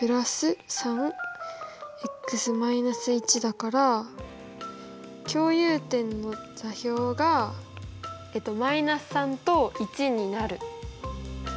だから共有点の座標が−３と１になる。